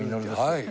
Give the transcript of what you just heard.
はい。